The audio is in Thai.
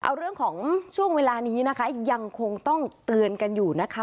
เอาเรื่องของช่วงเวลานี้นะคะยังคงต้องเตือนกันอยู่นะคะ